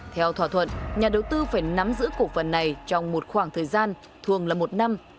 theo thỏa thuận nhà đầu tư phải nắm giữ cổ phần này trong một khoảng thời gian thường là một năm